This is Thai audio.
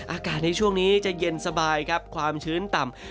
อากาศในช่วงนี้จะเย็นสบายครับความชื้นต่ำ